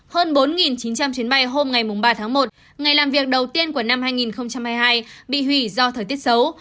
hơn bốn chín trăm linh chuyến bay hôm ba tháng một ngày làm việc đầu tiên của năm hai nghìn hai mươi hai bị hủy do thời tiết xấu